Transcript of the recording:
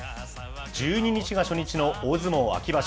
１２日が初日の大相撲秋場所。